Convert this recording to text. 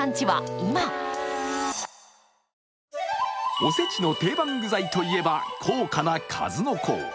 おせちの定番具材といえば高価な数の子。